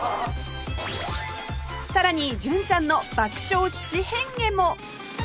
さらに純ちゃんの爆笑七変化も